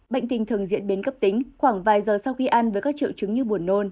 bệnh tình thường diễn biến cấp tính khoảng vài giờ sau khi ăn với các triệu chứng như buồn nôn